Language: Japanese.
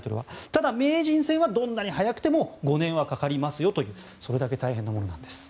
ただ、名人戦はどんなに早くても５年はかかりますよというそれだけ大変なものなんです。